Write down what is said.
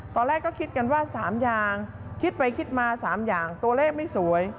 ตอนแรกก็คิดกันว่า๓อย่างคิดไปคิดมา๓อย่างตัวเลขไม่สวย